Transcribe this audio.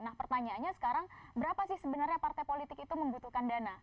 nah pertanyaannya sekarang berapa sih sebenarnya partai politik itu membutuhkan dana